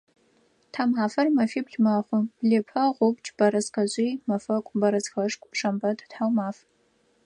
Тхьамафэр мэфибл мэхъу: блыпэ, гъубдж, бэрэскэжъый, мэфэку, бэрэскэшху, шэмбэт, тхьаумаф.